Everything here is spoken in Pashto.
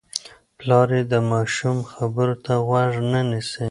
پلار یې د ماشوم خبرو ته غوږ نه نیسي.